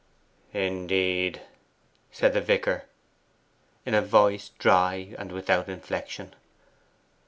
'Indeed,' the vicar said, in a voice dry and without inflection.